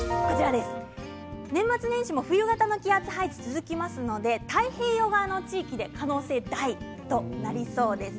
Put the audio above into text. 年末年始も冬型の気圧配置続きますので太平洋側の地域で可能性大となりそうです。